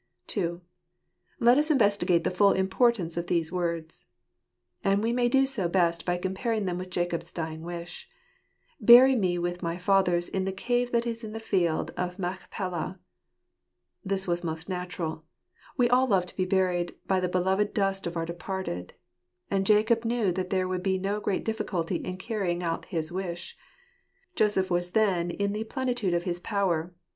II. Let us Investigate the full Importance of these Words. And we may do so best by comparing them with Jacob's dying wish : "Bury me with my fathers in the cave that is in the field of Machpelah." This was most natural : we all love to be buried by the beloved dust of our departed And Jacob knew that there would be no great difficulty in carrying out his wish. Joseph was then in the plenitude of his power.